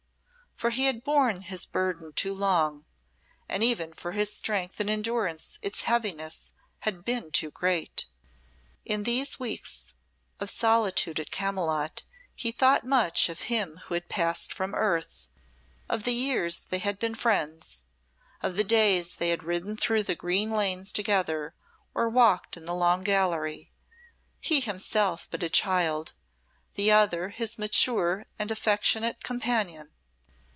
For he had borne his burden too long, and even for his strength and endurance its heaviness had been too great. In these weeks of solitude at Camylott he thought much of him who had passed from earth, of the years they had been friends, of the days they had ridden through the green lanes together or walked in the Long Gallery, he himself but a child, the other his mature and affectionate companion.